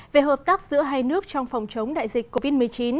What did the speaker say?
về hợp tác giữa hai nước trong phòng chống đại dịch covid một mươi chín